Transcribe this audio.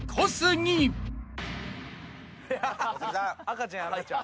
・赤ちゃん。